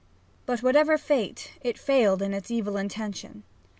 But whatever the fate it failed in its evil intention.